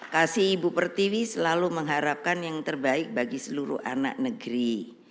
kasih ibu pertiwi selalu mengharapkan yang terbaik bagi seluruh anak negeri